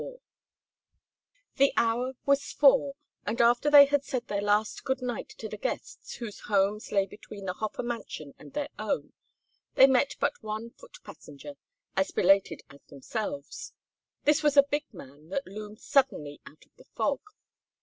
XXXIV The hour was four, and after they had said their last good night to the guests whose homes lay between the Hofer mansion and their own, they met but one foot passenger as belated as themselves. This was a big man that loomed suddenly out of the fog.